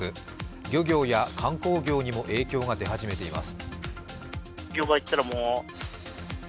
漁業や観光業にも影響が出始めています。